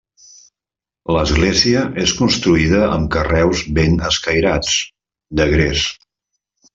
L'església és construïda amb carreus ben escairats, de gres.